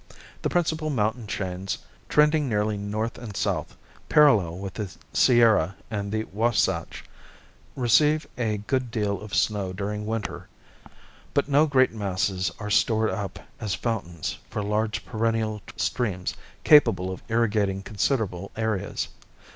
The principal mountain chains, trending nearly north and south, parallel with the Sierra and the Wahsatch, receive a good deal of snow during winter, but no great masses are stored up as fountains for large perennial streams capable of irrigating considerable areas.